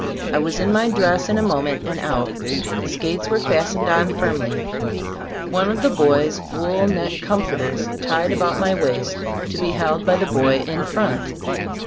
I was in my dress in a moment and out. The skates were fastened on firmly, one of the boy's wool neck "comforters" tied about my waist, to be held by the boy in front.